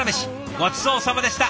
ごちそうさまでした。